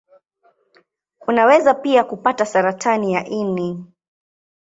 Unaweza pia kupata saratani ya ini.